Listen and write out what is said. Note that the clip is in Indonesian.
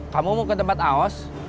kamu mau ke tempat aos